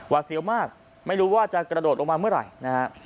เสียวมากไม่รู้ว่าจะกระโดดลงมาเมื่อไหร่นะฮะ